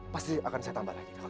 pasti akan saya tambah lagi